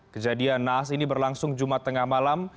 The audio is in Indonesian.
kejadian nahas ini berlangsung jumat tengah malam